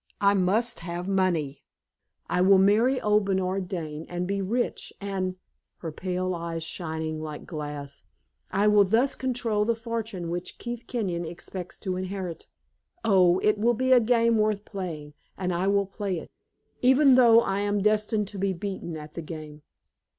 I must have money. I will marry old Bernard Dane, and be rich, and" her pale eyes shining like glass "I will thus control the fortune which Keith Kenyon expects to inherit. Oh, it will be a game worth playing; and I will play it, even though I am destined to be beaten at the game!"